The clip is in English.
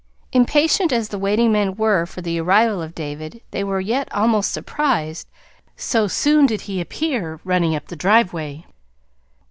Impatient as the waiting men were for the arrival of David, they were yet almost surprised, so soon did he appear, running up the driveway.